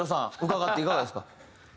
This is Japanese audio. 伺っていかがですか？